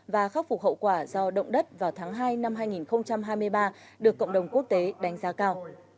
và khắc phục hậu quả do động đất vào tháng hai năm hai nghìn hai mươi ba được cộng đồng quốc tế đánh giá cao